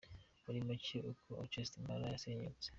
Muri make uko Orchestre Impala zasenyutse.